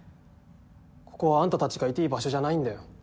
ここはあんたたちがいていい場所じゃないんだよ。